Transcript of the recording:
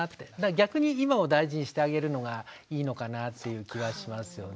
逆に今を大事にしてあげるのがいいのかなっていう気はしますよね。